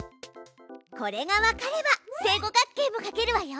これがわかれば正五角形も描けるわよ！